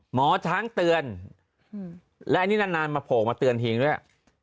หมอช้างเตือนและอันนี้นานมาโผล่มาเตือนทีมด้วย